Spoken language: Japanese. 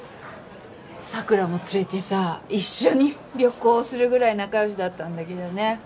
桜も連れてさ一緒に旅行するぐらい仲良しだったんだけどね。